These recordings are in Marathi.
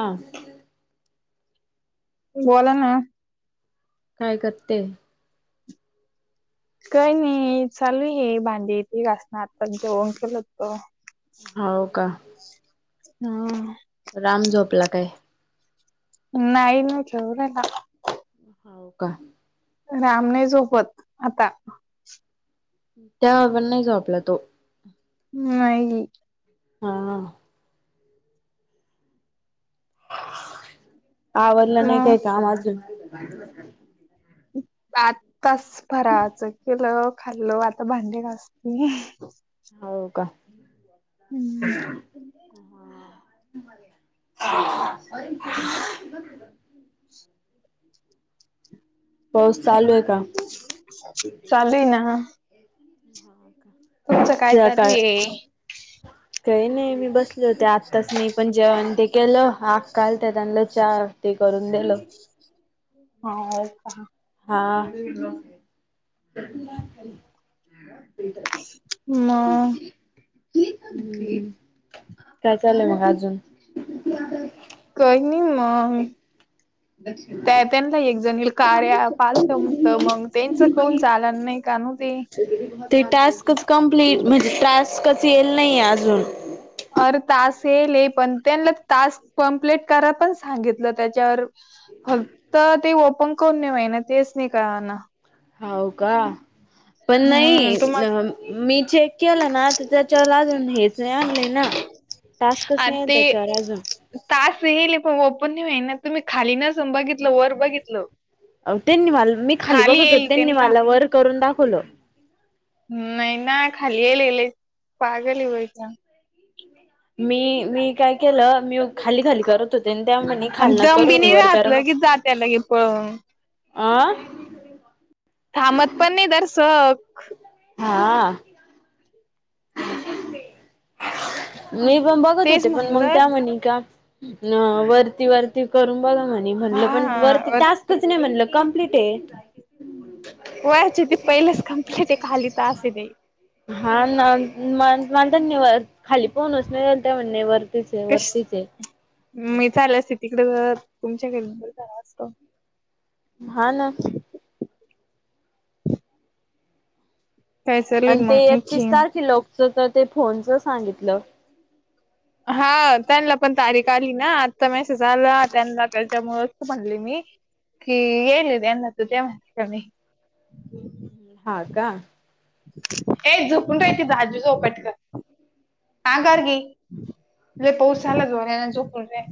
हा. बोला ना. काय करते? काही नाही चालू ये भांडी इथे घासण आता जेवण केलंतो. हाव का? हा. राम झोपला काय. नाही ना [inaudible] हो का. राम नाही झोपत आता. तेव्हा पण नाही झोपला तो. नाही. हा. आवरलं नाही मग काय काम अजून? आताच फराचं केलं खाल्ल आता भांडे घासती. हो का. हम्म. पाऊस चालू आहे का? चालू हाय ना. [unintelligible] तुमचं काय चालू सकाळ आहे? काही नाही मी बसले होते आता तस मी पण जेवण ते केलं आत्या आलत त्यांलं चहा ते करून दिलं. हा आय आय कहा हा प्रिंटर मग कॉफी [inaudible] काय चाललंय मंग अजून काय नाई मंग दक्ष त्या त्यांना एक जणीला कार्या अँप आलत. त मंग त्यांच कमुन चालत नाई, कानू ते ते टास्कच कंप्लिट म्हणजे, टास्कच येईल नाहीेये अजून. अरे टास्क येईल. पण त्यांना तास कंप्लिट करा पण सांगितलं त्याच्यावर फक्त ते ओपन कमुन नाय होईना, तेच नाय कळाना. होऊ का पण नाही, हम्म तुम्हा न मी चेक केलं ना, त त्याच्यावर अजून हेच नाय आणलय ना टास्कच नाहीये त्याच्यावर अजून. टास्क येईल. पण ओपन नाई होईना, तुम्ही खाली नसन बघीतलं वर बघितलं अ त्यांनी मला, मी खाली बघत होत. येईल त्यांनी त्यांनला मला वर करून दाखवलं. नाई ना खाली येईलेले. पागल ये बाई त्या मी, मी, काय केलं, मी खाली खाली करत होत तेनं त्या म्हणे आणि खालना दम बी करून ये, नाही वर राहत करा मग, लगेच जात्या लगे पळून अ थांबत पण नाही जरसक. हा मी पण बघत तेच होते. पण मंग म्हणलं त्या म्हणे का न वर ती वरती करून बघा म्हणे, म्हणलं पण वरती हा टास्कच नाय, म्हणलं कंप्लीट ये. [unintelligible] वरचे ते पहिलेच कंप्लीट ये, खाली टास ये ते हा ना, ना नांत निवतं खाली पाहूनच नाय, त्या म्हणे वरतीच ये कश वरतीच ये. मी आले असते, तिकड तुमच्या घरी त बर झाला असत. हा ना. काय चालय आणि ते मग आणखी एकतीस तारखेला लॉकच, त ते फोनच सांगितलं. हा त्यांना पण तारीख आली ना आत्ता मेसेज आला त्यांना त्याच्यामुळच त म्हणली मी की येईले त्यांना त त्या म्हणता का नाय. हा का ये झोपून राहाय की, आजी जवळ पटकन अंगारकी, लय पाऊस आला जोरात आणि झोपूण राय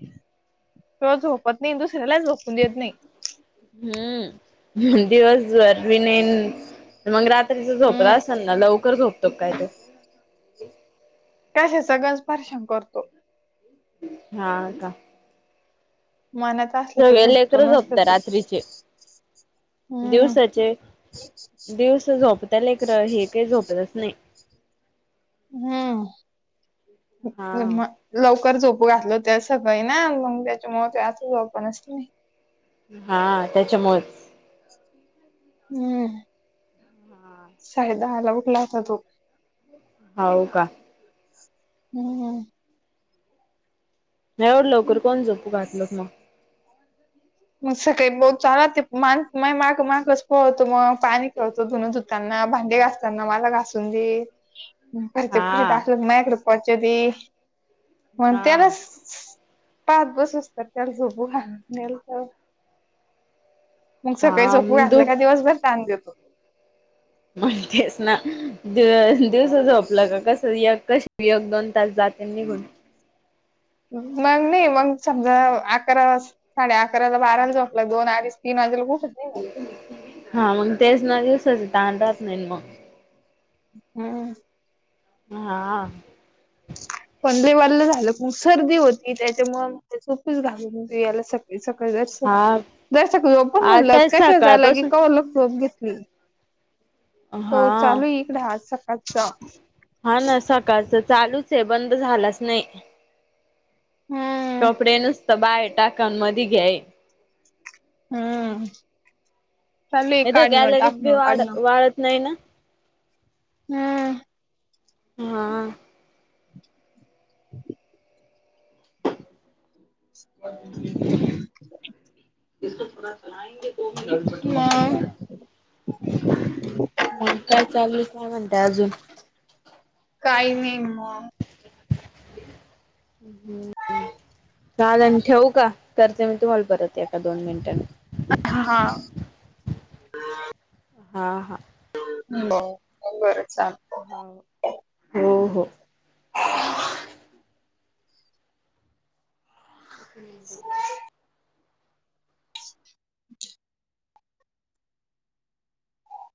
तो झोपत नाही. आणि दुसऱ्यालाही झोपून देत नाही. हम्म, दिवसभर बी नाहीन मंग रात दुपारी जे झोपला हम्म आसन ना, लवकर झोपतो क काय तो कशा सगळंच परेशान करतो. हा का मानत सगळे लेकर झोपता. रात्रीचे हम्म दिवसाचे दिवसां झोपता लेकरं हे काय झोपतच नाय. हं हे हा. म लवकर झोपू घातल होत आज सकाळी ना मंग त्याच्यामुळ काय आता झोपनाच ते हा त्याच्यामुळे हम्म, साडेदहाला उठला होता तो. हाव का? हम्म. येवल लवकर कोण झोपू घातलंत म? मग सकाळी मो चाला ते मा माया मागं मागंच पळंतो म पानी खेळतो, धुनं त्यांना भांडे घासतांना मला घासून दे घरच्या प्लेट हा. असलं की माझ्याकडे पोहच दे पण हा. त्यालाच पाआत बसुस्तर त्याला झोपू घालह्न्याला. म सकाळी हा झोपू दु घातलं का दिवसभर ताण देतो. माहितीस्सह ना? दिव दिवसा झोपला का कसं? येकच योक दोन तास जात्यात निघून. मंग नायी मंग समजा अकरा वास साडे अकराला बाराला जोपला, दोन, आडीच, तीन वाजेलोक उठत नाही ना. हा मग तेच न? दिवसाचं तान ऱ्हात नाईना म? हम्म. म हा. पनरे वल्लं झालं की सर्रदी होती त्याच्यामुळं ते टोपीच घालत होते यायला सक ते सगळी जरसं हा [unintelligible] म्हणलं आता कशाला जायला की सकाळपासून कवरलोक [unintelligible] घेतली. हो हा. चालूइ हे इकडे आज सकाळचा. हा न, सकाळचा चालूचहे. बंद झालाच नाही. हम्म कपडे नुसतं बाहेर टाकान मधी घ्याय. हं, चालूए काढणं, टाकणं, काढणं. कळत नाही ना? हम्म. हा. [inaudible] मग [inaudible] मंग काय चालूए? काय म्हंताय अजून? काही नाई म [unintelligible] हं. हं, चाल आन ठेउ का? करते मी तुम्हाला परत एका दोन मिनटांनी. अह हा. हा हा. [inaudible] बरं चाल हाव, हो हो. [inaudible]